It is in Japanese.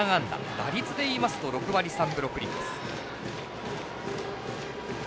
打率でいいますと６割３分６厘です。